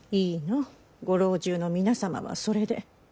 ご老中の皆様はそれで。